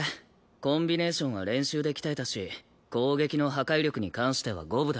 コンビネーションは練習で鍛えたし攻撃の破壊力に関しては五分だろ。